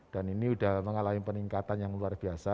dan ini sudah mengalami peningkatan yang luar biasa